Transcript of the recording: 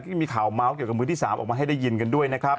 ที่มีข่าวเมาส์เกี่ยวกับมือที่๓ออกมาให้ได้ยินกันด้วยนะครับ